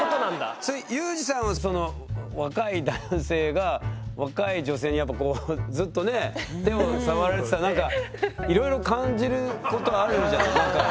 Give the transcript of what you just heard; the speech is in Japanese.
それ裕士さんは若い男性が若い女性にやっぱこうずっとね手を触られてたらいろいろ感じることあるんじゃない？